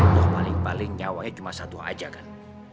tuh paling paling nyawanya cuma satu aja kan